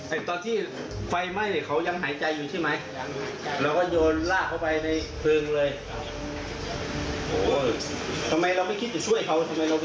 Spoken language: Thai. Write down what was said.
อันนั้นไม่คิดอะไรนะคิดว่าเขาเป็นตัวตัวแล้ว